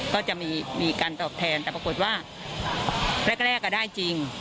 ก็จะมีการตอบแทนแต่ปรากฏว่าแรกก็ได้จริง